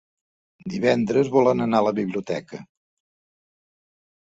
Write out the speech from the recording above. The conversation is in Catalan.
Divendres volen anar a la biblioteca.